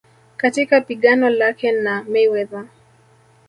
katika pigano lake na Mayweather